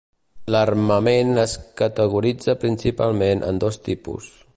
L'armament es categoritza principalment en dos tipus.